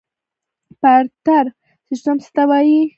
بارتر سیستم څه ته وایي؟